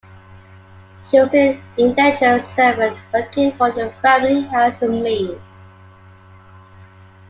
She was an indentured servant, working for the family as a maid.